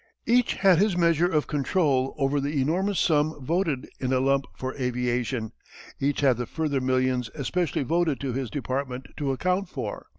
Each had his measure of control over the enormous sum voted in a lump for aviation, each had the further millions especially voted to his department to account for.